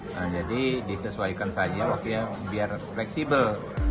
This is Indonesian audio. hai jadi disesuaikan saja waktunya biar fleksibel